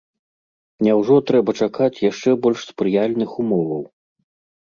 Няўжо трэба чакаць яшчэ больш спрыяльных умоваў?